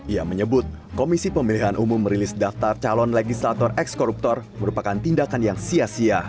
ia menyebut komisi pemilihan umum merilis daftar calon legislator ekskoruptor merupakan tindakan yang sia sia